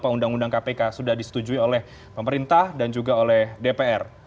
undang undang kpk sudah disetujui oleh pemerintah dan juga oleh dpr